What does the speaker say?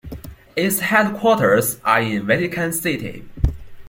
Its headquarters are in Vatican City.